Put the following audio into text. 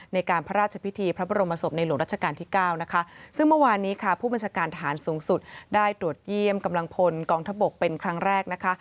ในการพระราชพิธีพระบรมศพในหลวงรัชกาลที่เก้านะคะซึ่งเมื่อวานนี้ค่ะผู้บัญชาการฐานสูงสุดได้ตรวจเยี่ยมกำลังพลกองทบกเป็นครั้งแรกนะคะ